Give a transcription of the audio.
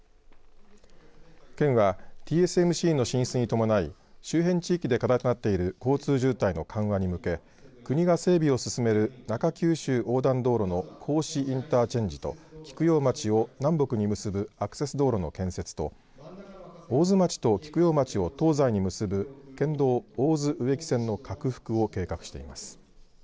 県はＴＳＭＣの進出に伴い周辺地域で課題となっている交通渋滞の緩和に向けて国が整備を進める中九州横断道路の合志インターチェンジと菊陽町を南北に結ぶアクセス道路の建設と大津町と菊陽町を東西に結ぶ県道大津植木線の拡幅を計画しています。